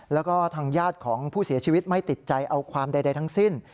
แล้วก็ทางญาติของผู้เสียชีวิตไม่ติดใจเอาความใดทั้งสิ้น